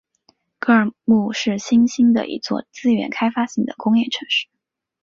格尔木是新兴的一座资源开发型的工业城市。